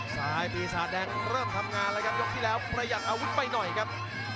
ซ้ายปีศาจแดงเริ่มทำงานแล้วครับยกที่แล้วประหยัดอาวุธไปหน่อยครับ